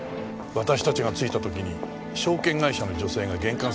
私たちが着いた時に証券会社の女性が玄関先にいた。